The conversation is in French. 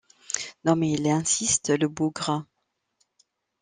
Non mais il insiste, le bougre!